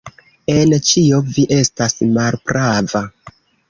En ĉio vi estas malprava.